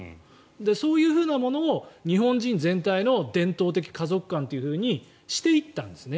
そういうものを日本人全体の伝統的家族観としていったんですね。